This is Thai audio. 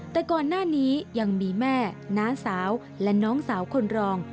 แต่ก่อนหน้านี้ยังมีแม่น้าสาวและน้องสาวคนรอง